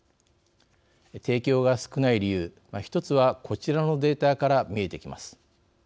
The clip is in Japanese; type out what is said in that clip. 提供が少ない理由、１つはこちらのデータから見えてきます。